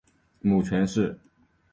母权氏。